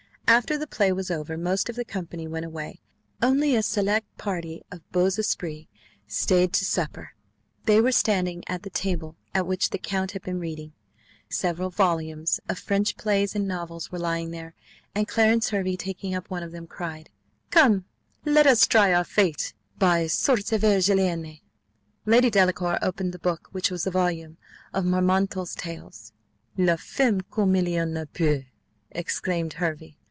After the play was over, most of the company went away; only a select party of beaux esprits stayed to supper; they were standing at the table at which the count had been reading: several volumes of French plays and novels were lying there, and Clarence Hervey, taking up one of them, cried, "Come, let us try our fate by the Sortes Virgilianae." Lady Delacour opened the book, which was a volume of Marmontel's Tales. "La femme comme il y en a peu!" exclaimed Hervey.